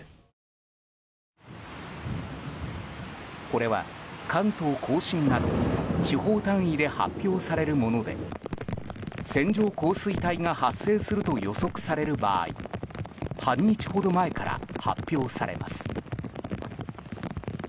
これは関東・甲信など地方単位で発表されるもので線状降水帯が発生すると予測される場合半日ほど前から発表されます。